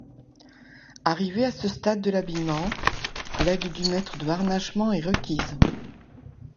Arrivés à ce stade de l'habillement, l'aide du maître de harnachement est requise.